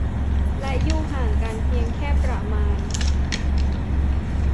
และอยู่ห่างกันเพียงแค่ประมาณ